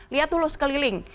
lihat dulu sekeliling